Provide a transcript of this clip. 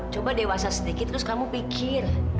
coba dewasa sedikit terus kamu pikir